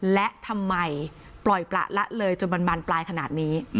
และทำไมปล่อยประละเลยจนบานปลายขนาดนี้